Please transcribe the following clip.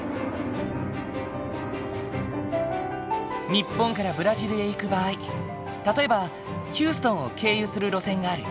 日本からブラジルへ行く場合例えばヒューストンを経由する路線がある。